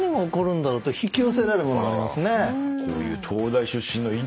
こういう。